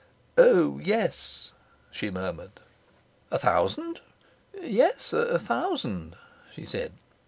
'Oh yes,' she murmured. 'A thousand?' 'Yes, a thousand,' she said.